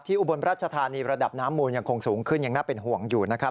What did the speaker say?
อุบลรัชธานีระดับน้ำมูลยังคงสูงขึ้นยังน่าเป็นห่วงอยู่นะครับ